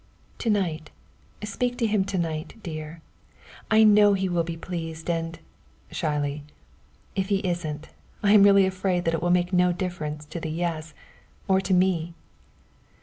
"To night speak to him to night, dear. I know he will be pleased, and," shyly, "if he isn't, I am really afraid that it will make no difference to the 'yes' or to me."